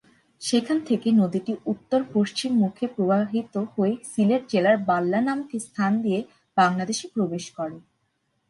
সেখান থেকে নদীটি উত্তর-পশ্চিম মুখে প্রবাহিত হয়ে সিলেট জেলার বাল্লা নামক স্থান দিয়ে বাংলাদেশে প্রবেশ করে।